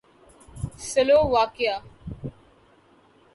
Slovakia